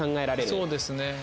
そうですね。